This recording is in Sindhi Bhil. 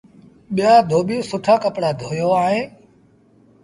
ٻيٚآ دوٻيٚ سُٺآ ڪپڙآ ڌويو ائيٚݩ۔